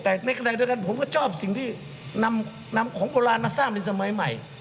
แต่ในขณะเดียวกันผมก็ชอบสิ่งที่นำของโบราณมาสร้างในสมัยใหม่